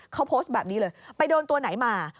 เขาโพสต์แบบนี้เลยไปโดนตัวไหนมา